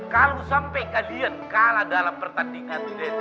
kalau sampai kalian kalah di sekolah kalian harus berusaha